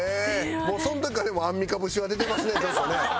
もうその時からでもアンミカ節は出てますねちょっとね。